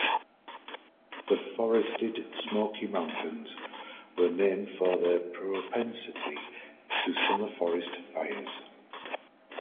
The forested Smoky Mountains were named for their propensity to summer forest fires.